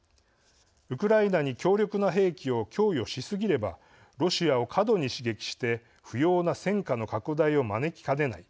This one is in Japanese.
ウクライナに強力な兵器を供与しすぎればロシアを過度に刺激して不要な戦火の拡大を招きかねない。